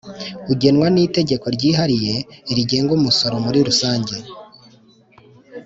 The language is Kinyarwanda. ugenwa n Itegeko ryihariye rigengaumusoro muri rusange